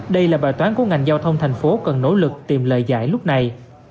đây là bài toán của ngành giao thông thành phố cần nỗ lực tìm lời giải lúc này